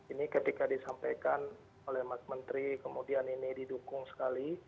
ini ketika disampaikan oleh mas menteri kemudian ini didukung sekali